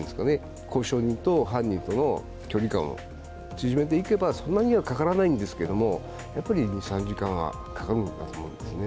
交渉人と犯人との距離感を縮めていけば、そんなにはかからないんですけど、２３時間はかかるんだと思うんですね。